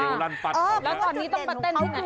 แล้วตอนนี้ต้องมาเต้นที่ไหน